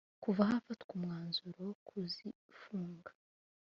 Kuva hafatwa umwanzuro wo kuzifunga